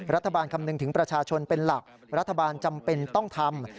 คำนึงถึงประชาชนเป็นหลักรัฐบาลจำเป็นต้องทำ